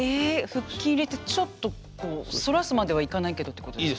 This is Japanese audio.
腹筋入れてちょっとこう反らすまではいかないけどってことですか。